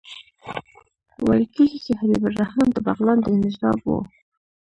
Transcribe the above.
ویل کېږي چې حبیب الرحمن د بغلان د نجراب وو.